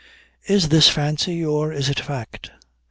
Is this fancy, or is it fact?